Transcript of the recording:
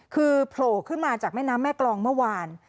คือโผล่ขึ้นมาจากแม่น้ำแม่กรองเมื่อวาน